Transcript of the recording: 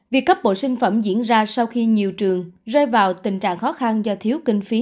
việc cấp bộ sinh phẩm diễn ra sau khi nhiều trường rơi vào tình trạng khó khăn do thiếu kinh phí